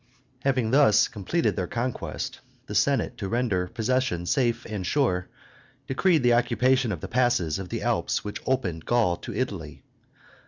Having thus completed their conquest, the Senate, to render possession safe and sure, decreed the occupation of the passes of the Alps which opened Gaul to Italy.